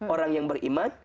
orang yang beriman